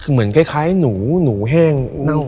เหมือนคล้ายหนูหนูแห้ง